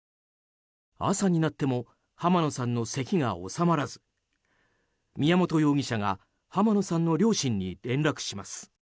朝になっても浜野さんのせきが収まらず宮本容疑者が浜野さんの両親に連絡します。